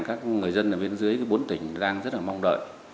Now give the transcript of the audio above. các người dân ở bên dưới bốn tỉnh đang rất là mong đợi